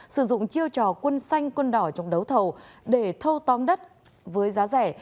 sử dụng chiêu trò quân xanh quân đỏ trong đấu thầu để thâu tóm đất với giá rẻ